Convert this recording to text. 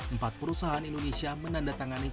empat perusahaan indonesia menandatangani